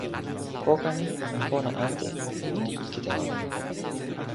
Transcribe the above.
poka ni en pona ante li ike tawa mi.